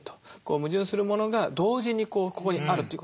矛盾するものが同時にここにあるということ。